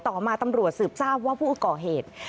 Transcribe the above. ต่อมาตำรวจสืบทราบว่าผู้ก่อเหตุ